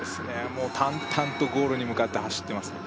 もう淡々とゴールに向かって走ってますね